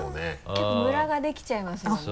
結構むらができちゃいますもんね。